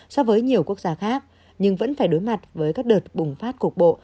so với nhiều quốc gia khác nhưng vẫn phải đối mặt với các đợt bùng phát cục bộ